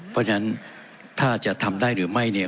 เพราะฉะนั้นถ้าจะทำได้หรือไม่เนี่ย